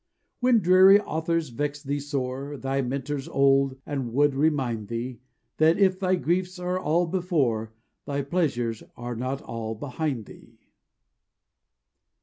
When dreary authors vex thee sore, Thy Mentor's old, and would remind thee That if thy griefs are all before, Thy pleasures are not all behind thee.